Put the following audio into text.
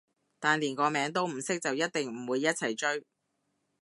但連個名都唔識就一定唔會一齊追